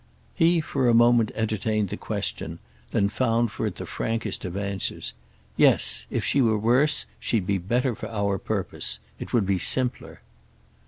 He for a moment entertained the question, then found for it the frankest of answers. "Yes. If she were worse she'd be better for our purpose. It would be simpler."